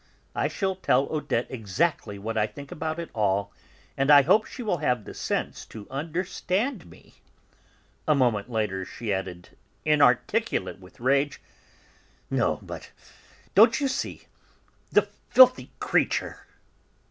I shall tell Odette exactly what I think about it all, and I hope she will have the sense to understand me." A moment later she added, inarticulate with rage: "No, but, don't you see, the filthy creature..."